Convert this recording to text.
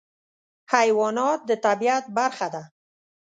حیوانات د طبیعت برخه ده.